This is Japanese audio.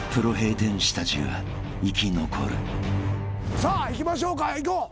さあいきましょうかいこう。